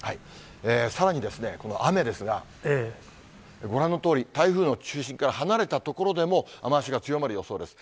さらに、この雨ですが、ご覧のとおり、台風の中心から離れた所でも雨足が強まる予想です。